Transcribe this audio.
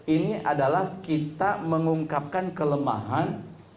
ini adalah kita mengungkapkan kelemahan